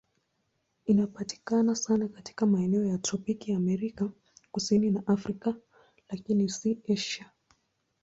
Inapatikana sana katika maeneo ya tropiki Amerika Kusini na Afrika, lakini si Asia.